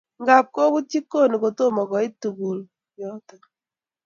ngap koput chikoni ,kotom koit tukul yoto